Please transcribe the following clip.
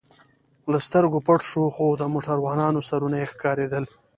له سترګو پټ شو، خو د موټروانانو سرونه یې ښکارېدل.